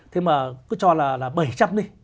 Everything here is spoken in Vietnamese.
thế mà cứ cho là bảy trăm linh đi